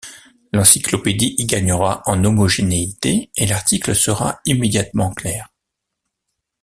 L'encyclopédie y gagnera en homogénéité, et l'article sera immédiatement clair.